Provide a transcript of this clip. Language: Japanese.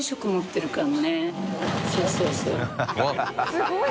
すごいぞ！